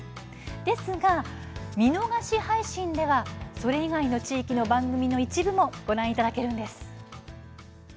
ですが、見逃し配信ではそれ以外の地域の番組の一部もご覧いただけます。